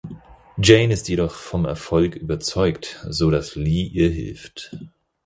Jane ist jedoch vom Erfolg überzeugt, so dass Lee ihr hilft.